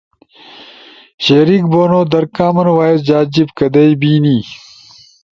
شریک بونو در، کامن وائس جا جیِب کدئی بینی؟